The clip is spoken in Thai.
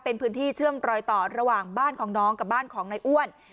เป็นพื้นที่เชื่อมรอยต่อระหว่างบ้านของน้องกับบ้านของนายอ้วน